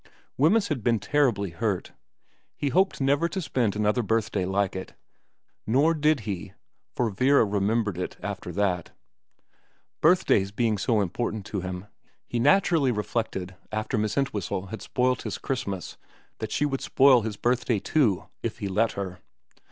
Wemyss had been terribly hurt. He hoped never to spend another birthday like it. Nor did he, for Vera remembered it after that. Birthdays being so important to him, he naturally reflected after Miss Entwhistle had spoilt his Christmas that she would spoil his birthday too if he let her.